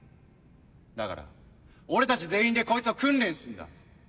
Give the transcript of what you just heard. だから俺たち全員でこいつを訓練すんだ